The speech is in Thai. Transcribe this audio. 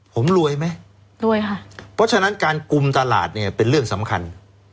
ผมรวยไหมรวยค่ะเพราะฉะนั้นการกุมตลาดเนี่ยเป็นเรื่องสำคัญ